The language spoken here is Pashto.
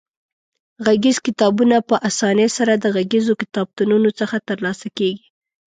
غږیز کتابونه په اسانۍ سره د غږیزو کتابتونونو څخه ترلاسه کولای شو.